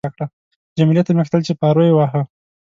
جميله ته مې کتل چې پارو یې واهه.